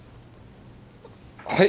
はい。